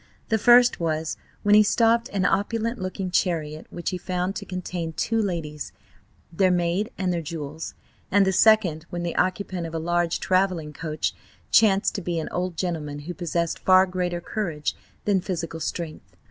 The first was when he stopped an opulent looking chariot, which he found to contain two ladies, their maid and their jewels, and the second when the occupant of a large travelling coach chanced to be an old gentleman who possessed far greater courage than physical strength.